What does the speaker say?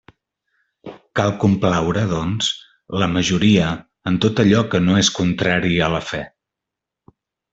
Cal complaure, doncs, la majoria en tot allò que no és contrari a la fe.